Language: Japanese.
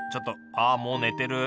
あもう寝てる。